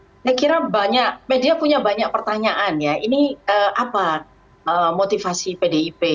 saya kira banyak media punya banyak pertanyaan ya ini apa motivasi pdip